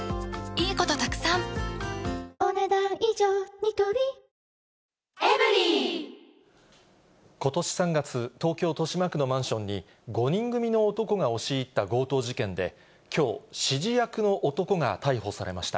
ニトリことし３月、東京・豊島区のマンションに、５人組の男が押し入った強盗事件で、きょう、指示役の男が逮捕されました。